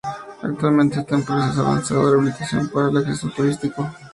Actualmente está en proceso avanzado de rehabilitación para el acceso turístico.